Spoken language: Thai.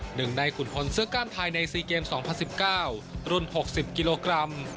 หนึ่งในขุนพลเสื้อกล้ามไทยใน๔เกม๒๐๑๙รุ่น๖๐กิโลกรัม